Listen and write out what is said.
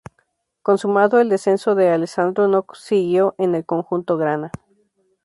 Consumado el descenso, D'Alessandro no siguió en el conjunto grana.